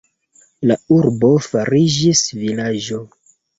La urbo fariĝis vilaĝo.